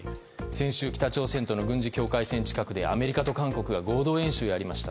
先週、北朝鮮との軍事境界線近くでアメリカと韓国が合同演習を行いました。